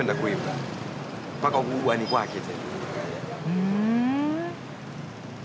ふん。